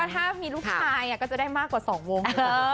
ถ้ามีลูกชายก็จะได้มากกว่า๒วง